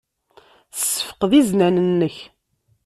Ssefqed iznan-nnek.